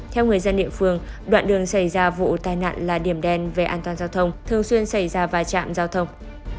theo người dân địa phương đoạn đường xảy ra vụ tai nạn là điểm đen về an toàn giao thông thường xuyên xảy ra va chạm giao thông